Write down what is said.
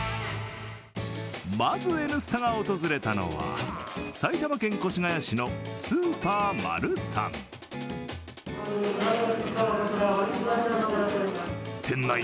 まず「Ｎスタ」が訪れたのは埼玉県越谷市のスーパーマルサン。